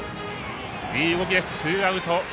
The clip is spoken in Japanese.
いい動きです、ツーアウト。